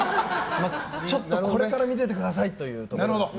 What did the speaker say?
ちょっとこれから見ててくださいってところですね。